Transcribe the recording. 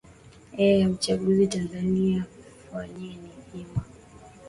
e ya uchaguzi tanzania fanyeni hima